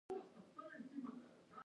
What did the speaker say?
هغې وویل محبت یې د ګلونه په څېر ژور دی.